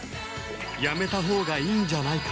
やめた方がいいんじゃないか？